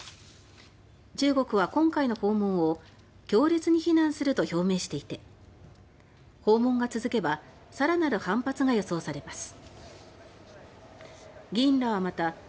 中国は今回の訪問を強烈に非難すると表明していて訪問が続けば更なる反発が予想されます。